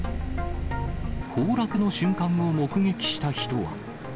崩落の瞬間を目撃した人は。